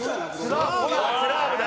スラーブだ！」